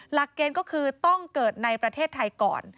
หลักเกณฑ์ก็คือต้องเกิดในประเทศไทยก่อน